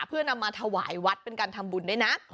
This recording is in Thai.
เพื่อนำมาถวายวัดเป็นการทำบุญด้วยนะ